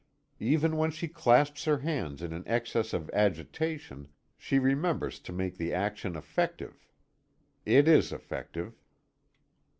Even when she clasps her hands in an excess of agitation, she remembers to make the action effective. It is effective.